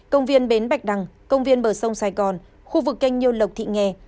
công viên bến bạch đăng công viên bờ sông sài gòn khu vực canh nhiêu lộc thị nghè